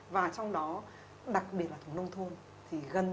và trong đó đặc biệt là thùng nông thôn